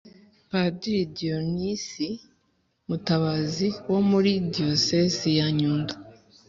padiri diyonizi mutabazi wo muri diyoseze ya nyundo